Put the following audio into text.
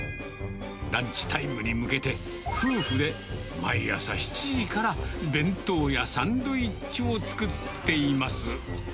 ランチタイムに向けて、夫婦で毎朝７時から、弁当やサンドイッチを作っています。